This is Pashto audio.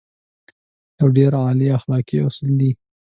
يو ډېر اعلی اخلاقي اصول دی.